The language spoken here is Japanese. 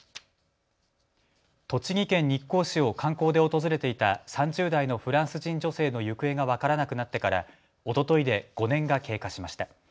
栃木県日光市を観光で訪れていた３０代のフランス人女性の行方が分からなくなってからおとといで５年が経過しました。